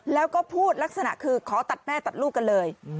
แล้วก็พูดลักษณะคือขอตัดแม่ตัดลูกกันเลย